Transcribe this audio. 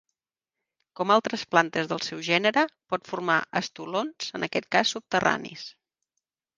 Com altres plantes del seu gènere, pot formar estolons, en aquest cas subterranis.